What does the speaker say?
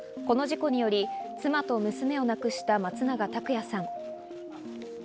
この事故により、妻と娘を亡くした松永拓也さん。